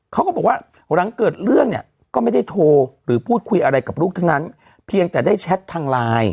เขาก็บอกว่าหลังเกิดเรื่องเนี่ยก็ไม่ได้โทรหรือพูดคุยอะไรกับลูกทั้งนั้นเพียงแต่ได้แชททางไลน์